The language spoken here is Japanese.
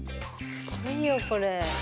すごいよこれ。